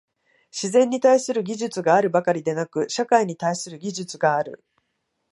自然に対する技術があるばかりでなく、社会に対する技術がある。